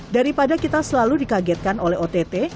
daripada kita selalu dikagetkan oleh ott